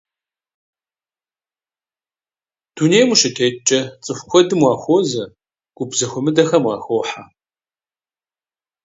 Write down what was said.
Дунейм ущытеткӀэ цӀыху куэдым уахуозэ, гуп зэхуэмыдэхэм уахохьэ.